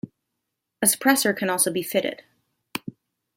A suppressor can also be fitted.